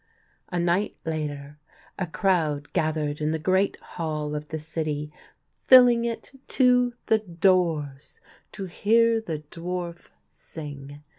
A night later a crowd gathered in the great hall of the city, filling it to the doors, to hear the dwarf sing.